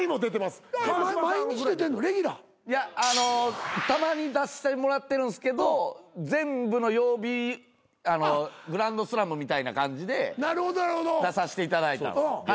いやたまに出してもらってるんすけど全部の曜日グランドスラムみたいな感じで出させていただいたんす。